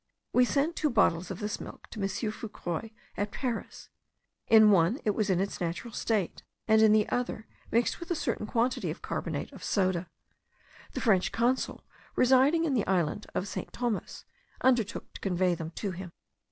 We sent two bottles of this milk to M. Fourcroy at Paris: in one it was in its natural state, and in the other, mixed with a certain quantity of carbonate of soda. The French consul residing in the island of St. Thomas, undertook to convey them to him.